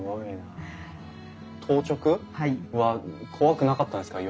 当直は怖くなかったんですか？